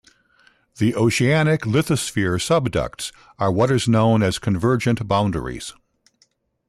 The oceanic lithosphere subducts at what are known as convergent boundaries.